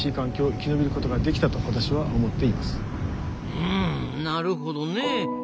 うんなるほどねえ。